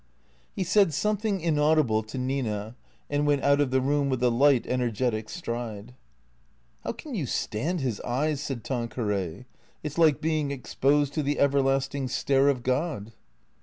He said something inaudible to Nina and went out of the room with a light, energetic stride. " How can you stand his eyes ?" said Tanqueray ;" it 's like being exposed to the everlasting stare of God."